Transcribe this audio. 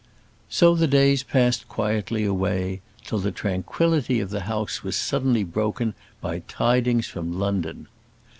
So the days passed quietly away till the tranquillity of the house was suddenly broken by tidings from London.